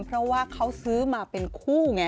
เพราะว่าเขาซื้อมาเป็นคู่ไง